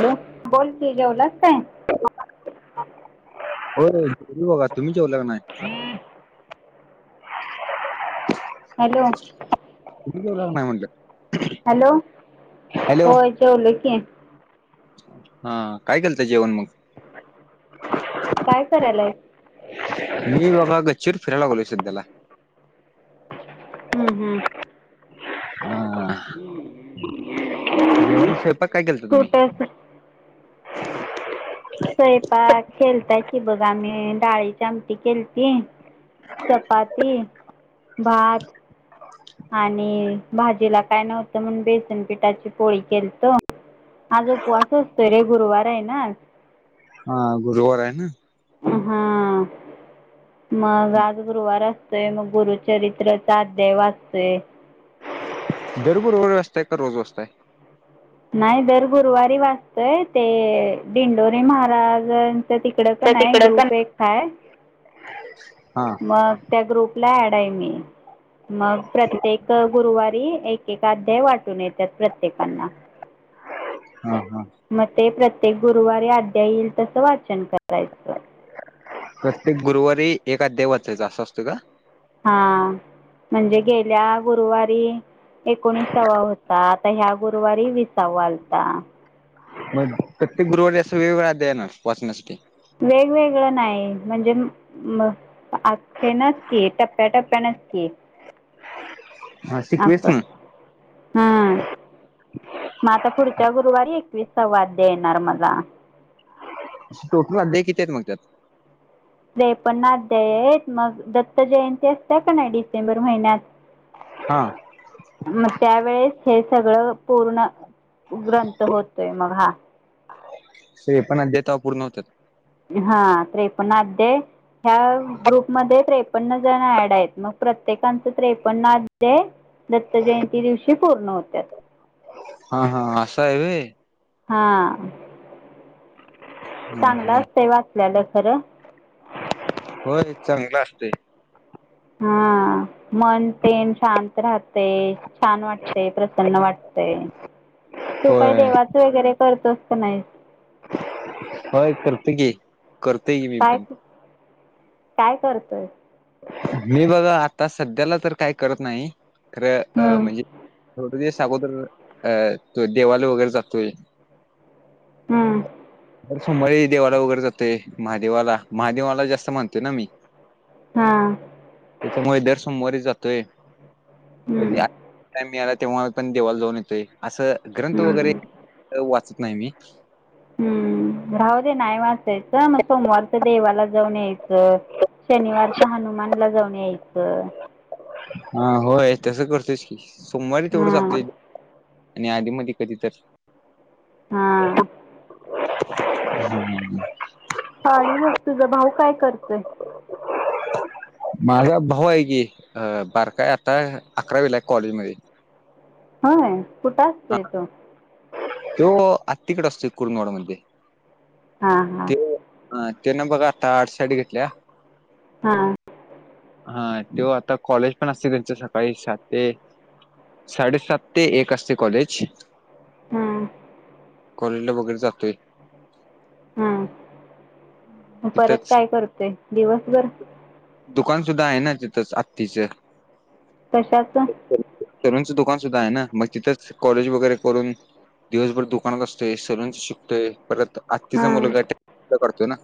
Hello? बोलकी? जेवलास काय? होय, जेवलो बघा, तुम्ही जेवला की नाही? [inaudible] हॅलो नाही म्हटलं [unintelligible] हॅलो? हॅलो होय जेवलो कि. हा काय केलत जेवण मग? काय करालाय? मी बघा गचिवर फिरा लागलोय सध्या ला. हम् हम. हा, स्वयंपाक काय केलता तुम्ही? कुठ स्वयंपाक केलता कि बघा आम्ही डाळीच्या आमटी केलती. चपाती, भात आणि भाजीला काय नव्हतं म्हणून बेसन पिठाची पोळी केलतो. आज उपवास असतोय रे गुरुवार आहे ना आज. हा गुरुवार आहे ना. हा. मग आज गुरुवार असतय मग गुरुचरित्रचा अध्याय वाचतोय. दर गुरुवारी वाचताय काय रोज वासताय? नाही दर गुरुवारी वाचतय ते दिडोरी महाराज तर तिकडं क तर नाही तिकडं पण ग्रुप एक हाय. हा. मग त्या ग्रुपला ऍड आहे मी. मग प्रत्येक गुरुवारी एक-एक अध्याय वाटून येत्यात प्रत्येकांना. हा हा. म ते प्रत्येक गुरुवारी अध्याय येईल तसं वाचन करायचं. प्रत्येक गुरुवारी एक अध्याय वाचायचा असं असत का? हा, म्हणजे गेल्या गुरुवारी एकोणिसावा होता आता ह्या गुरुवारी विसावा आलता. मग प्रत्येक गुरवारी अस वेगवेगळा अध्याय येणार वाचण्यासाठी. वेगवेगळं नाही म्हणजे म अ हेनच की टप्प्या टप्प्यानच की. हा अस शिकवेच ना हा. मग आता पुढच्या गुरुवारी एकवीसावा अध्याय येणार मला. टोटल अध्याय किती आहेत मग त्यात. त्रेपन्न अध्याय आहेत मग दत्त जयंती असत्या का नाही डिसेंबर महिन्यात हा. मग त्यावेेळेस हे सगळं पूर्ण ग्रंथ होत. तय मग हा. त्रेपन्न अध्याय तेव्हा पूर्ण होतात. हा त्रेपन्न अध्याय ह्या ग्रुपमध्ये त्रे पन्ना जण ऍड आहेत मग प्रत्येकाचं त्रेपन्न अध्याय दत्त जयंती दिवशी पूर्ण होत्यात. हा हा आसा हाय होय. हा हम्म, चांगलं हम्म. असतय वाचल्यालं खरं. होय चांगल असतय. हा मन तेन शांत राहत तय छान वाटतय प्रसन्न वाटतय, तू काही होय देवा वगैरे करतोस का नाही. होय करतो की करतोय की मी काय पण. काय करतोय? मी बघा आता सध्याला तर काय करत नाही खर अ हम्म म्हणजे ते थोडे दिवस अगोदर अ जो देवाला वगैरे जातोय हम्म हर सोमवारी देवाला वगैरे जातोय महादेवाला महादेवाला जास्त मानतोय ना मी हा त्याच्यामुळे दर सोमवारी जातोय कधी हम्म टाइम मिळाला तेव्हा पण देवाला जाऊन येतोय अस ग्रंथ वगैरे हम्म वाचत नाही मी हम्म राहू दे नाही वाचायचं मग सोमवारच देवाला जाऊन यायचं शनिवारच हनुमानला जाऊन यायचं हा होय तस करतोयच की सोमवारी तेवढं हा जातोय आणि आधी मधी कधी तर हा हम् [inaudible] बघ तुझा भाऊ काय करतोय माझा भाऊ आहे की अ बारकाय आता अकरावीेला आहे कॉलेज मध्ये होय कुठं असतोय तो तो आत्तीकड असतोय कुरुंदवाड मध्ये हा हा ते तेन बघा आर्ट साईड घेतलाय हा हा त्यो आता कॉलेज पण असतय त्यांच सकाळी सात ते साडे-सात ते एक असतय कॉलेज हम कॉलेजला वगैरे जातोय हा परत तिथंच काय करतोय दिवसभर दुकान सुद्धा आहे ना तिथंच आत्तीचं कशाच सलूनच दुकान सुद्धा आहे ना मग तिथंच कॉलेज वगैरे करून दिवसभर दुकानात आसतोय सलून शिकतोय परत आत्तीचा हां मुलगा टॅटूच करतो ना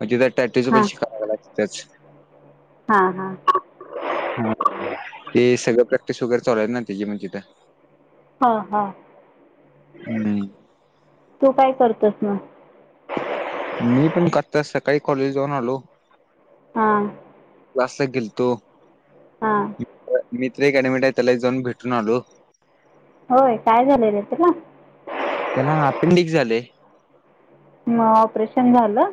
म तिथ टॅटूच पण शिकाय लागलाय त्याच हा हा ह ते सगळं प्रॅक्टिस वगैरे चालू आहे ना त्याजी मग तिथं हा हा हम्म तू काय करतोस मग मी पण आठ तास सकाळी कॉलेला जाऊन आलो हा क्लासला गेलतो हा मित्र एक ऍडमिट आहे त्याला एक जाऊन भेटून आलो होय काय झालय रे त्याला त्याला अपेंडिक झालय मग ऑपरेशन झालं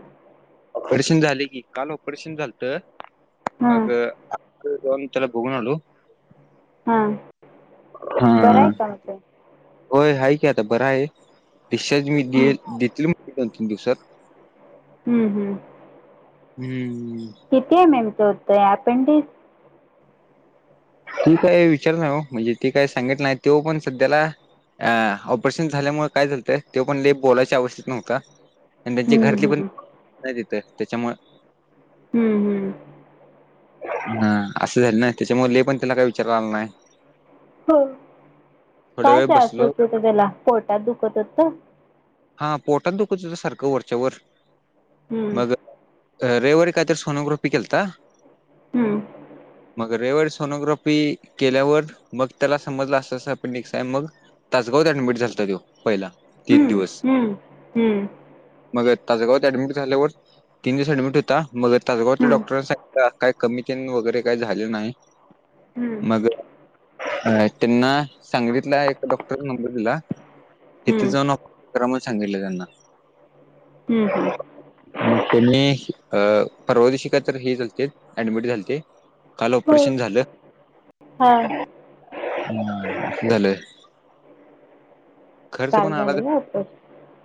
ऑपरेशन झालय की काल ऑपरेशन झालत हां मग [unintelligible] जाऊन त्याला बगून आलो. हा बरं हा आहे का आता? होय हाय की आता बर आहे डिस्चार्ज मी दे हम्म, देतील दोन तीन दिवसात हू, हू, हम्म किती एम. एम चं होतं अँपेंडिस? मी काय विचारलं नाही ओ म्हणजे ती काय सांगितल नाही त्यो पण सध्याला अ ऑपरेशन झाल्यामुळ काय झालत त्यो पण लई बोलायच्या आवस्थेत नव्हता, आणि त्यांच्या घरतली पण [unintelligible] तिथं तेच्यामु हू हू, हा आसं झालं ना तेच्यामूळ लई पण त्याला काय विचाराय आला नाय. हा काय त्रास बसलो होत होता तेला? पोटात दुखत होत? हा पोटात दुखत हुत सारखं वरच्या वर हम्म मग अ रविवारी कायतर सोनोग्राफी केलता हम्म मग रायवारी सोनोग्राफी केल्यावर मग तेला समजलं आसं आसं अपेंडिक्स आहे मग तासगावात ऍडमिट झालत तो पहिला तीन हम्म दिवस. हम्म हम्म. मग ताजगावात ऍडमिट झाल्यावर तीन दिवस ऍडमिट होता मग तासगावतल्या हम्म डॉक्टर सां का काय कमी तेन वगैरे काही झालेल नाही हम्म मग अ त्यांना सांगलीतला एक डॉक्टर नंबर दिला तिथं हं, जाऊन ओ करा म सांगितलं त्यांना. हुं हुं, मग त्यांनी अ परवादिवशी काय तर हे झालतेत ऍडमिट झालते काल हो ऑपरेशन झालं हां झालं. खर्च काल पण आला झाल तर व्हय ऑप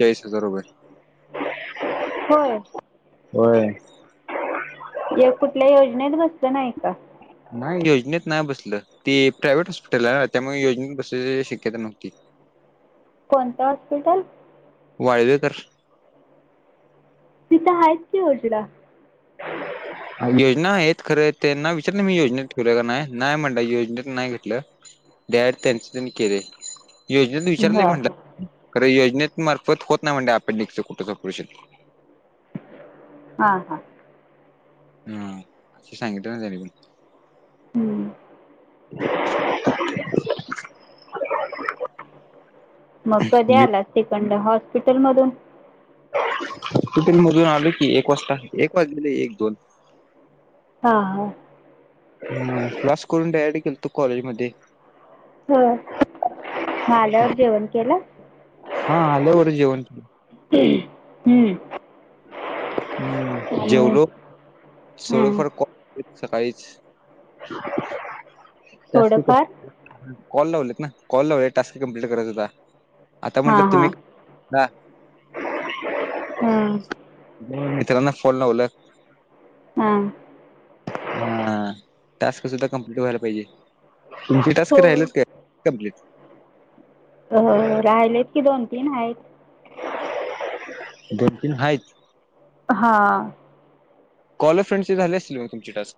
चाळीस हजार रुपये. होय. व्हय. एक कुठल्या योजनेत बसलं नाही का? नाही योजनेत नाही बसलं ती प्रायव्हेट हॉस्पिटल आहे त्यामुळे योजनेत बसायची शक्यता नव्हती. कोणतं हॉस्पिटल? वाळवेकर. तिथं आहेत की योजना [inaudible] योजना आहेत खरं त्यांना विचारलं मी योजनेत करूया काय नाय नाय म्हणला योजनेत नाही घेतलं, डायरेक्ट त्याचं त्यांनी केले. योजनेत विचारलं हां हां म्हणलं खर योजनेत मार्फत होत नाही म्हणल अपेंडिक्सच कुठच ऑपरेशन. हा हा, हा आस सांगितल ना त्या [unintelligible] हुं [inaudible] मग कधी मी आलास तिकडं हॉस्पिटल मधून? हॉस्पिटल मधून आलो की एक वाजता एक वाजलेले एक दोन. हा हा, हम्म क्लास करून डायरेक्ट गेलतो कॉलेज मध्ये. हा. म आल्यावर जेवण केलं. हा आल्यावर जेवण हम्म. आणि जेवलो सोड हं. फार को तेच सकाळीच जास्ती थोडंफार कप कॉल लावलेत ना कॉल लावले टास्क कम्प्लीट करायच होता आता हां म्हटलं हां तुम्ही [unintelligible] हम्म. म मित्रांना फोन लावलं. हां हा टास्क सुद्धा कम्प्लीट व्हायला पाहिजे. तुमचे टास्क हो राहिलच काय कंप्लीट अहं राहिलेत की दोन तीन आहेत. दोन तीन आहेत. हां. कॉल अ फ्रेडचे झाले असतील म तुमची टास्क.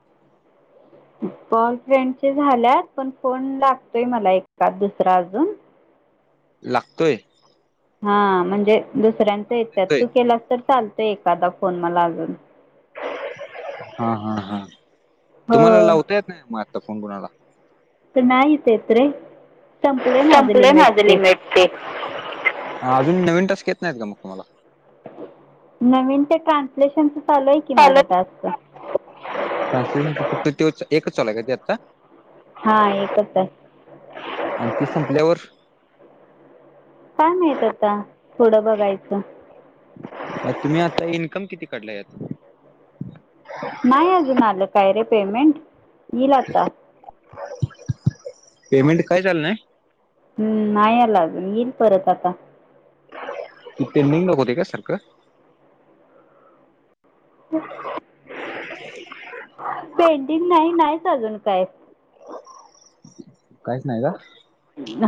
कॉल फ्रेंडचे झाल्यात पण फोन लागतोय मला एकाद दुसरा अजून. लागतोय हा म्हणजे दुसऱ्यांच येत्यात येतोय तू केलास तर चालतोय एखादा फोन मला अजून. हा हा हा तुम्हाला हो लावता येत ना मग आता फोन कोणाला? तर नाहीच येत रे संपलंय माझं लिमिट माझं ते. लिमिट अजून टनवीन टास्क येत नाहीत का मग तुम्हाला? नवीन ते ट्रान्सलेशनचा चालू आहे की माझा टास्क. ट्रान्सलेशनचा तो फक्त एकच चालू आहे का ते आता? हां एकच आहे. आणि ती संपल्यावर काय माहित आता थोडं बघायचं. तुम्ही आता इन्कम किती काढलं यात? नाही अजून आलं काय रे पेमेंट यील आता. पेमेंट कायच आलं नाही? हम्म नाही आलं अजून यील परत आता. ती पेंडिंग दाखवतय काय सारखं? हो पेंडींग नाही नाहीच अजून काय. काहीच नाही का?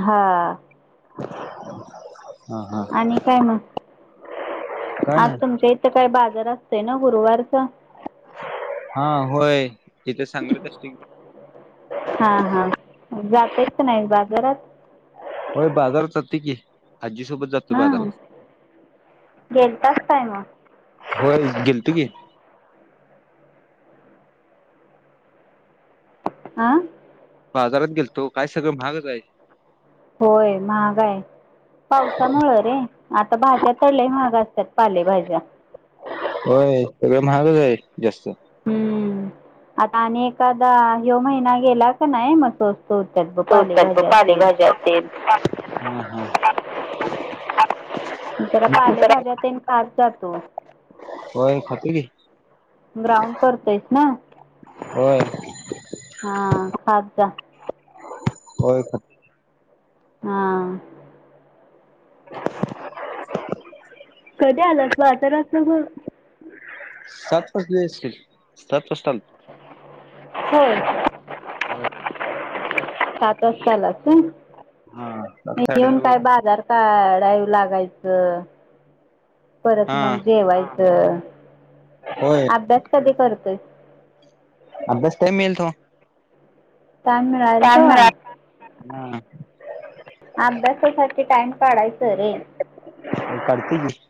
हा. हा हा आणि काय म? काय आज नाही तुमच्या इथं काय बाजार असतोय ना गुरुवारचा? हा होय इथं सांगलीत असतोय. हां हां जातयत का नाही बाजारात? होय बाजारात जातोय की आजीसोबत जातो हां बाजारात गेलतास काय मग होय गेलतो की. आं बाजारात गेलतो. काय सगळं महागच हाय. होय, महाग हाय. पावसामुळं रे, आता भाज्या तर लय महाग असत्यात पालेभाज्या. होय सगळं महागच आहे जास्त. हम्म आता आणि एखादा ह्यो महिना गेला का नाही म स्वस् स्वस्तत्यात ब पालेभाज्या तेन तेन [inaudible] हा हा जरा होय पालेभाज्या तेन खात जा तू. होय खातोय की, ग्राउंड करतोयस ना? होय. हां खात जा. होय खात हा. [inaudible] कधी आलास बाजारातनं म? सात वाजले असतील, सात वाजता आलो. होय. हा सात वाजता आलास काय, सात इथं साडेसात येऊन वाज काय बाजार काडाईव लागायचं परत मग हा जेवायच च होय अभ्यास कधी करतोयस? अभ्यास टाइम मिळेल तवा. टाइम मिळा टाइम मिळा हा अभ्यासासाठी टाइम काडायच रे. काढतोय की.